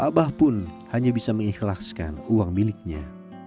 abah pun hanya bisa mengikhlaskan uang miliknya